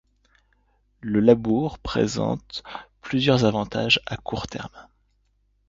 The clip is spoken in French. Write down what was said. Le labour présente plusieurs avantages à court terme.